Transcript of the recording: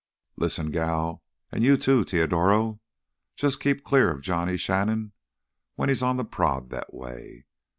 "Lissen, gal, an' you, too, Teodoro—jus' keep clear of Johnny Shannon when he's on th' prod that way.